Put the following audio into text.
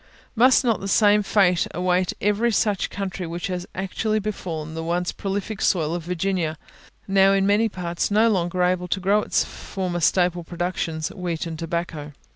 Must not the same fate await every such country which has actually befallen the once prolific soil of Virginia, now in many parts no longer able to grow its former staple productions wheat and tobacco?